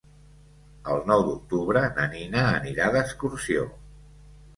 El nou d'octubre na Nina anirà d'excursió.